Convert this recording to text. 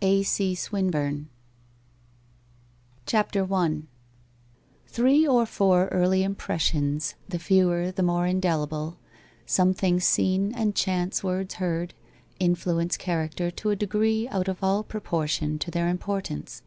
— A. C. Swinburne. White Rose of Weary Leaf CHAPTER I Three or four early impressions, the fewer the more in delible, some things seen and chance words heard, influ ence character to a degree out of all proportion to their importance.